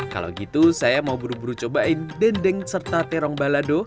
kalau gitu saya mau buru buru cobain dendeng serta terong balado